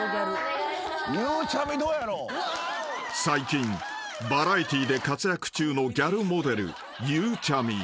［最近バラエティーで活躍中のギャルモデルゆうちゃみ］